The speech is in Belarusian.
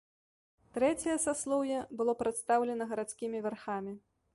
Трэцяе саслоўе было прадстаўлена гарадскімі вярхамі.